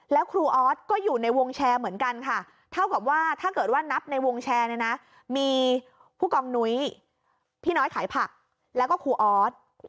แล้วครูออสก็อยู่ในวงแชร์เหมือนกันค่ะเท่ากับว่าถ้าเกิดว่านับในวงแชร์เนี่ยนะมีผู้กองนุ้ยพี่น้อยขายผักแล้วก็ครูออส